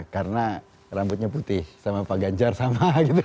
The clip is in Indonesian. karena rambutnya putih sama pak ganjar sama gitu loh